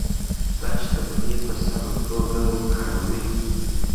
دا شتمني په سمه توګه وکاروئ.